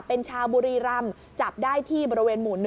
เป็นชาวบุรีรำจับได้ที่บริเวณหมู่๑